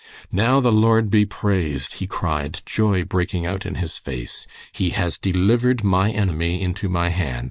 "Now the Lord be praised," he cried, joy breaking out in his face. "He has delivered my enemy into my hand.